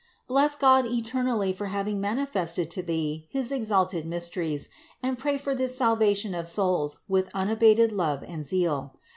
Bless God eternally for having manifested to thee his exalted mysteries and pray for the salvation of souls with un abated love and zeal.